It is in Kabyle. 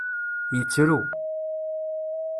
Yettru.